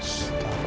staff rumah nasib